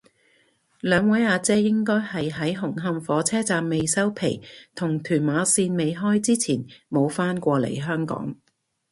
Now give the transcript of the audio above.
兩位阿姐應該係喺紅磡火車站未收皮同屯馬綫未開之前冇返過嚟香港